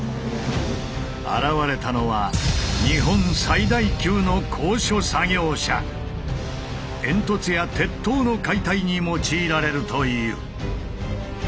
現れたのは煙突や鉄塔の解体に用いられるという。